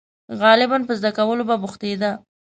• غالباً په زده کولو به بوختېده.